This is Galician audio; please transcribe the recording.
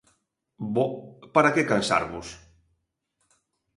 Boh, para que cansarvos;